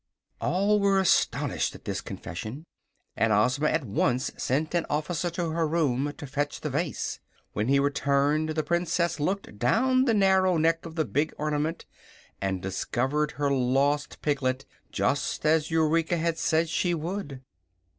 All were astonished at this confession, and Ozma at once sent an officer to her room to fetch the vase. When he returned the Princess looked down the narrow neck of the big ornament and discovered her lost piglet, just as Eureka had said she would.